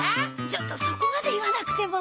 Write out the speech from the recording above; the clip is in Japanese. ちょっとそこまで言わなくても。